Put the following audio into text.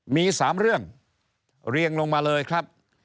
มี๓เรื่องเรียงลงมาเลยครับ